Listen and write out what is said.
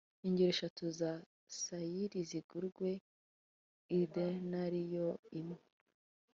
ingero eshatu za sayiri zigurwe idenariyo imwe,